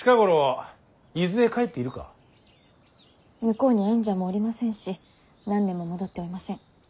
向こうに縁者もおりませんし何年も戻っておりません。